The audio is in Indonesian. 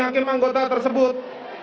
peminggi hakim anggota tersebut